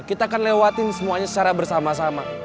kita akan lewatin semuanya secara bersama sama